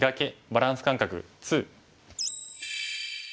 バランス感覚２」。